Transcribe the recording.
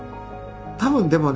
多分でもね